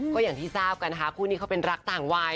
ก็อย่างที่ทราบกันนะคะคู่นี้เขาเป็นรักต่างวัย